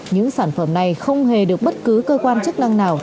những sản phẩm này không hề được bất cứ cơ quan chức năng nào